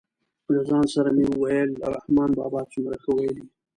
له ځان سره مې ویل رحمان بابا څومره ښه ویلي.